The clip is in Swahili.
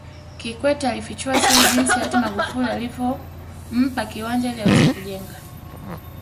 Kikwete alifichua siri jinsi Hayati Magufuli alivyompa kiwanja ili aweze kujenga